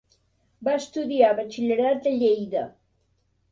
Va estudiar batxillerat a Lleida.